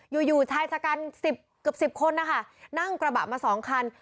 อยู่อยู่ชายสกรรมสิบกับสิบคนนะคะนั่งกระบะมาสองคัน